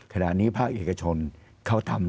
ขนาดนี้ครับอีกระชนน์คะให้ทำ